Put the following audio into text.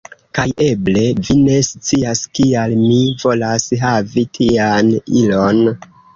Kaj eble vi ne scias, kial mi volas havi tian ilon.